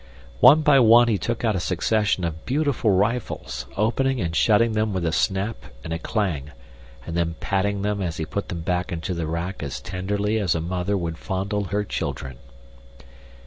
One by one he took out a succession of beautiful rifles, opening and shutting them with a snap and a clang, and then patting them as he put them back into the rack as tenderly as a mother would fondle her children.